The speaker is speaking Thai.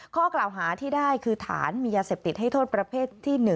ข้อกล่าวหาที่ได้คือฐานมียาเสพติดให้โทษประเภทที่๑